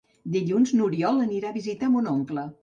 Dilluns n'Oriol anirà a visitar mon oncle.